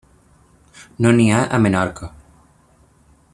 No n'hi ha a Menorca.